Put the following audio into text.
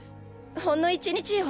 ほんの１日よ。